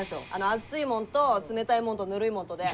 熱いもんと冷たいもんとぬるいもんとで。